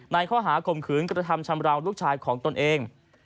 ข้อหาข่มขืนกระทำชำราวลูกชายของตนเอง